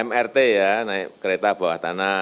mrt ya naik kereta bawah tanah